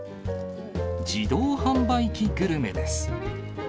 自動販売機グルメです。